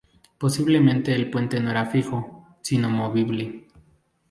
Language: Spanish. Posiblemente el puente no era fijo, sino movible.